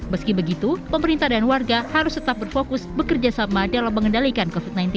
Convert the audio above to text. meski begitu pemerintah dan warga harus tetap berfokus bekerja sama dalam mengendalikan covid sembilan belas